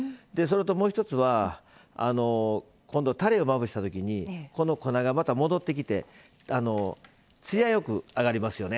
もう一つは、今度たれをまぶしたときにこの粉が戻ってきてつやよく上がりますよね。